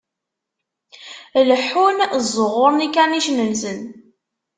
Leḥḥun, ẓẓuɣuṛen ikanicen-nsen.